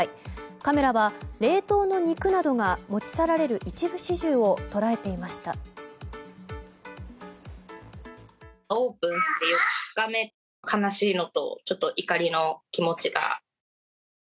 カメラは冷凍の肉などが持ち去られる一部始終を捉えていました。